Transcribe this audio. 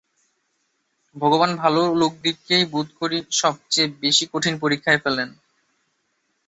ভগবান ভালো লোকদিগকেই বোধ করি সব চেয়ে কঠিন পরীক্ষায় ফেলেন।